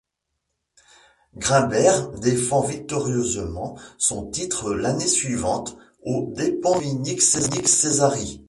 Grimbert défend victorieusement son titre l'année suivante aux dépens de Dominique Cesari.